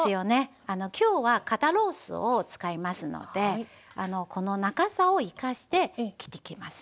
今日は肩ロースを使いますのでこの長さを生かして切っていきますね。